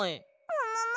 ももも？